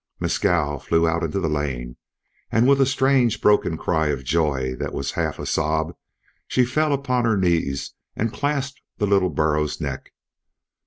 Mescal flew out into the lane, and with a strange broken cry of joy that was half a sob she fell upon her knees and clasped the little burro's neck.